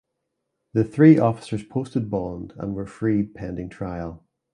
The three officers posted bond and were freed pending trial.